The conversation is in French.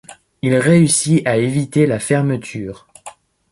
Il réussit à éviter la fermeture.